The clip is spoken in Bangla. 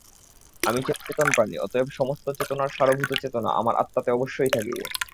আমি চেতন প্রাণী, অতএব সমস্ত চেতনার সারভূত চেতনা আমার আত্মাতে অবশ্যই থাকিবে।